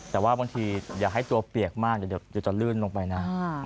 แต่ว่าบางทีอย่าให้ตัวเปียกมากเดี๋ยวจะลื่นลงไปนะ